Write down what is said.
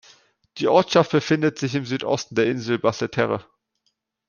Die Ortschaft befindet sich im Südosten der Insel Basse-Terre.